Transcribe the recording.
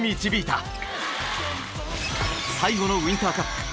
最後のウインターカップ。